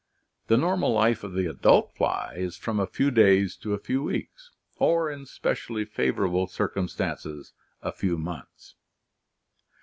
The normal life of the adult fly is from a few days to a few weeks, or in specially favorable circumstances, a few months.